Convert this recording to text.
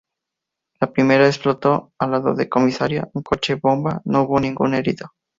La primera explotó al lado de comisaría, un coche bomba, no hubo ningún herido.